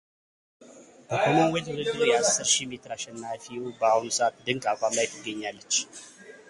በኮመንዌልዝ ውድድር የአስር ሺህ ሜትር አሸናፊዋ በአሁኑ ሰዓት ድንቅ አቋም ላይ ትገኛለች።